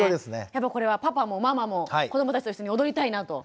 やっぱりこれはパパもママも子どもたちと一緒に踊りたいなと。